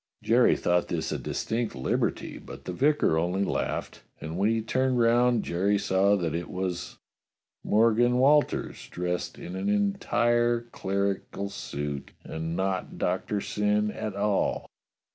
Jerry thought this a distinct liberty, but the vicar only laughed, and when he turned round Jerry saw that it was Morgan Walters dressed in an entire clerical suit, and not Doctor Syn at all.